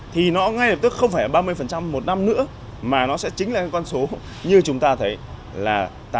thì nó ngay lập tức không phải ba mươi một năm nữa mà nó sẽ chính là con số như chúng ta thấy là tám mươi